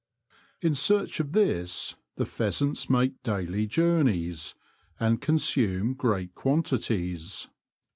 In search of this the pheasants make daily journeys, and consume great quantities.